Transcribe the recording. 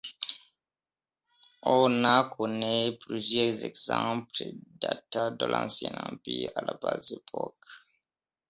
On en connaît plusieurs exemples, datant de l'Ancien Empire à la Basse époque.